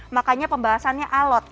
makanya pembahasannya alot